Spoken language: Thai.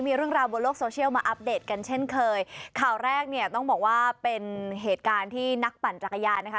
มีเรื่องราวบนโลกโซเชียลมาอัปเดตกันเช่นเคยข่าวแรกเนี่ยต้องบอกว่าเป็นเหตุการณ์ที่นักปั่นจักรยานนะคะ